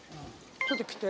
ちょっと来て。